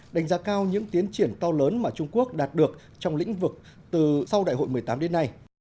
đánh giá cao những tiến triển to lớn mà trung quốc đạt được trong lĩnh vực từ sau đại hội một mươi tám đến nay